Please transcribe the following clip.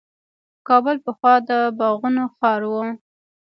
کابل پخوا د باغونو ښار و.